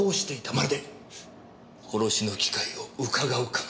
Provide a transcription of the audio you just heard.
まるで殺しの機会をうかがうかのように。